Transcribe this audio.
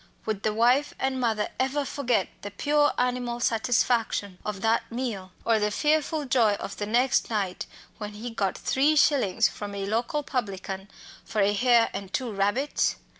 Would the wife and mother ever forget the pure animal satisfaction of that meal, or the fearful joy of the next night, when he got three shillings from a local publican for a hare and two rabbits?